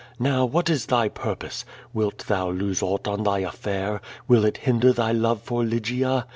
Now, what is thy purpose? Wilt thou lose aught on thy affair? Will it hinder thy love for Lygia?